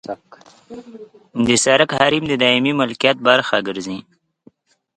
د سرک حریم د دایمي ملکیت برخه ګرځي